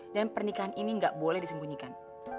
dan pernikahan ini enggak boleh disembunyikan